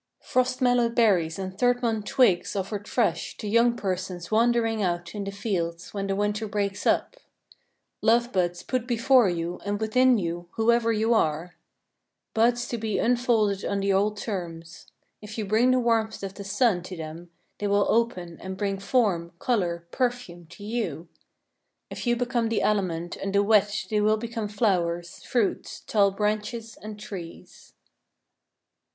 Frost mellow'd berries and Third month twigs offer'd fresh to young persons wandering out in the fields when the winter breaks up, Love buds put before you and within you whoever you are, Buds to be unfolded on the old terms, If you bring the warmth of the sun to them they will open and bring form, color, perfume, to you, If you become the aliment and the wet they will become flowers, fruits, tall branches and trees.